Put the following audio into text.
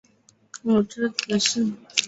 傕之子式。